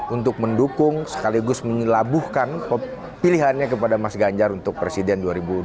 untuk mendukung sekaligus menyelabuhkan pilihannya kepada mas ganjar untuk presiden dua ribu dua puluh